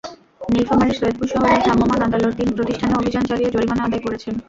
নীলফামারীর সৈয়দপুর শহরের ভ্রাম্যমাণ আদালত তিন প্রতিষ্ঠানে অভিযান চালিয়ে জরিমানা আদায় করেছেন।